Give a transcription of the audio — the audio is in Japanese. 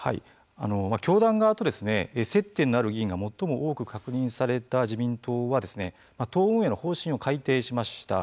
教団側と接点のある議員が最も多く確認された自民党は党運営の方針を改定しました。